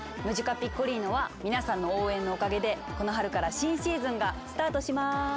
「ムジカ・ピッコリーノ」は皆さんの応援のおかげでこの春から新シーズンがスタートします。